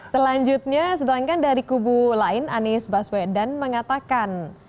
selanjutnya sedangkan dari kubu lain anies baswedan mengatakan